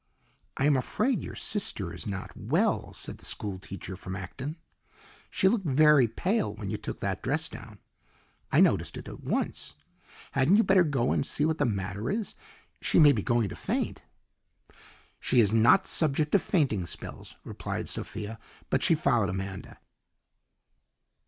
"I am afraid your sister is not well," said the school teacher from Acton. "She looked very pale when you took that dress down. I noticed it at once. Hadn't you better go and see what the matter is? She may be going to faint." "She is not subject to fainting spells," replied Sophia, but she followed Amanda.